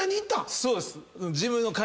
そうです。